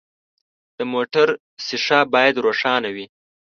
د موټر شیشه باید روښانه وي.